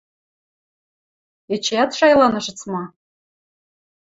— Эчеӓт шайланышыц ма?